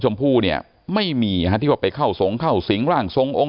ชมพู่เนี่ยไม่มีฮะที่ว่าไปเข้าสงเข้าสิงร่างทรงองค์